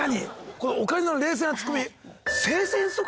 このオカリナの冷静なツッコミ。